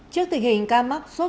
trước tình hình ca mắc xuất xuất